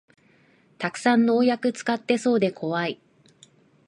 たくさん農薬使ってそうでこわい